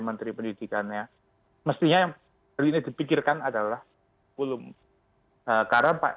menteri pendidikannya mestinya yang terlihat dipikirkan adalah ulung ulungan dan kemudian dipercaya dengan keadaan yang lainnya